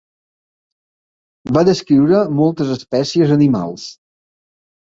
Va descriure moltes espècies animals.